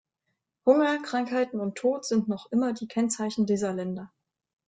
Hunger, Krankheiten und Tod sind noch immer die Kennzeichen dieser Länder.